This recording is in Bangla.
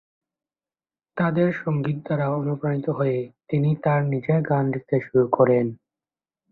তাদের সঙ্গীত দ্বারা অনুপ্রাণিত হয়ে তিনি তার নিজের গান লিখতে শুরু করেন।